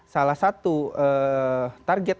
salah satu target